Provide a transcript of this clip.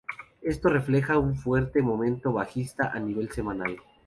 Esto refleja un fuerte momento bajista a nivel semanal.